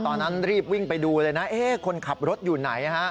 ตอนนั้นรีบวิ่งไปดูเลยนะคนขับรถอยู่ไหนฮะ